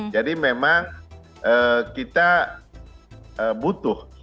jadi memang kita butuh